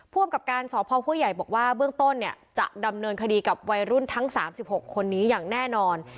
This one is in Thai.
อำกับการสพห้วยใหญ่บอกว่าเบื้องต้นเนี่ยจะดำเนินคดีกับวัยรุ่นทั้ง๓๖คนนี้อย่างแน่นอน